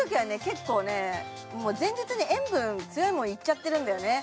結構ねもう前日に塩分強いもんいっちゃってるんだよね